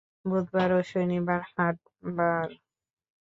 বুধবার ও শনিবার হাট বার।